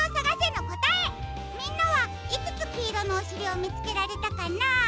みんなはいくつきいろのおしりをみつけられたかな？